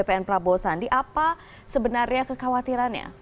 bpn prabowo sandi apa sebenarnya kekhawatirannya